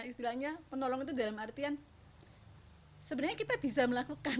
istilahnya penolong itu dalam artian sebenarnya kita bisa melakukan